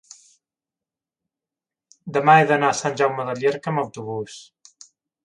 demà he d'anar a Sant Jaume de Llierca amb autobús.